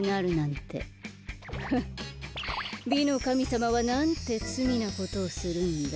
フッ美のかみさまはなんてつみなことをするんだ。